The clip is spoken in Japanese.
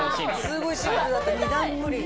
すごいシンプルだった２段プリン。